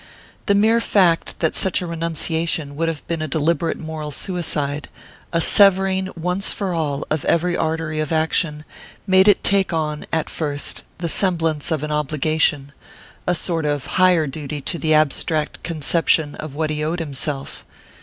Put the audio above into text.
The mere fact that such a renunciation would have been a deliberate moral suicide, a severing once for all of every artery of action, made it take on, at first, the semblance of an obligation, a sort of higher duty to the abstract conception of what he owed himself.